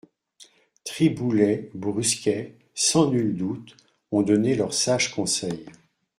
Triboulet, Brusquet, sans nul doute, ont donné leurs sages conseils.